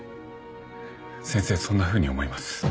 先生そんなふうに思います。